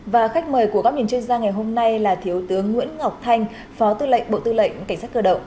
và khách mời của các bình chân gia ngày hôm nay là thiếu tướng nguyễn ngọc thanh phó tư lệnh bộ tư lệnh cảnh sát cơ động